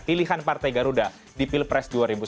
pilihan partai garuda di pilpres dua ribu sembilan belas